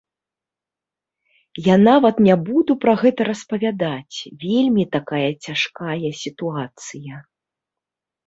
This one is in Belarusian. Я нават не буду пра гэта распавядаць, вельмі такая цяжкая сітуацыя.